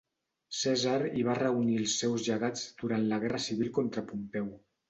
Cèsar hi va reunir els seus llegats durant la guerra civil contra Pompeu.